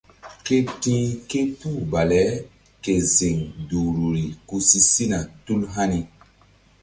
Ke ti̧h ke puh baleke ziŋ duhruri ku si sina tul hani.